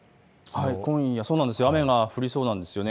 今夜、雨が降りそうなんですよね。